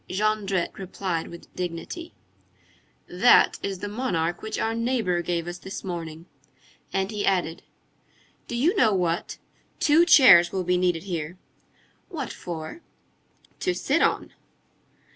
Jondrette replied with dignity:— "That is the monarch which our neighbor gave us this morning." And he added:— "Do you know what? Two chairs will be needed here." "What for?" "To sit on."